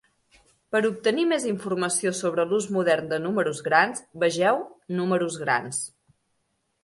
Per obtenir més informació sobre l'ús modern de números grans, vegeu Números grans.